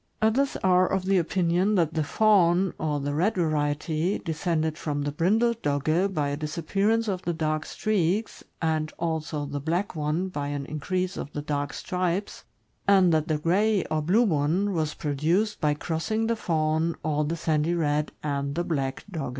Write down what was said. Others are of the opinion that the fawn, or the red variety, descended from the brindled Dogge by a disappearance of the dark streaks, and also the'black one by an increase of the dark stripes, and that the gray, or blue one, was produced by crossing the fawn, or the sandy red, and the black Dogge.